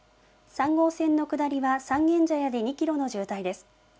３号線の下りは三軒茶屋で２キロの渋滞です。